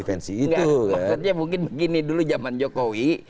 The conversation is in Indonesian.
maksudnya mungkin begini dulu zaman jokowi